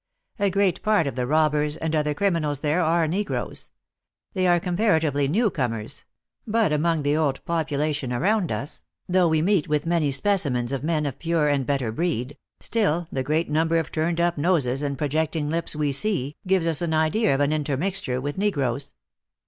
A great part of the robbers, and other criminals there, are negroes. These are comparatively new coiners ; but among the old population around us, though we meet with many specimens of men of pure and better breed, still, the great number of turned up noses and projecting lips we see, gives us an idea of an intermixture with ne groes.